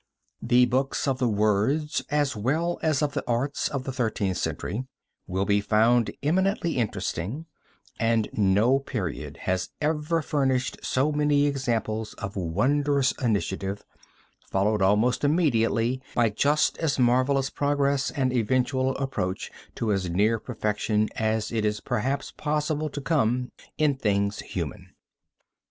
The books of the Words as well as of the Arts of the Thirteenth Century will be found eminently interesting, and no period has ever furnished so many examples of wondrous initiative, followed almost immediately by just as marvelous progress and eventual approach to as near perfection as it is perhaps possible to come in things human.